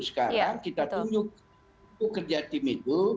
sekarang kita tunjuk kerja tim itu